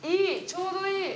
ちょうどいい。